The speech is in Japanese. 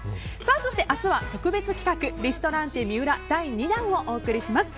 そして、明日は特別企画リストランテＭＩＵＲＡ第２弾をお送りします。